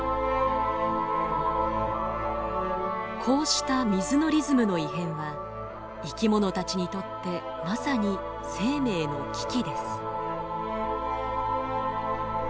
こうした水のリズムの異変は生き物たちにとってまさに生命の危機です。